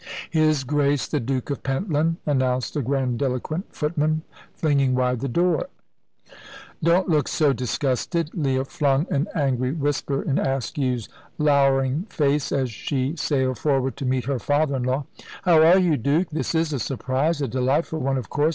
"His Grace the Duke of Pentland," announced a grandiloquent footman, flinging wide the door. "Don't look so disgusted!" Leah flung an angry whisper in Askew's lowering face as she sailed forward to meet her father in law. "How are you, Duke? This is a surprise a delightful one, of course.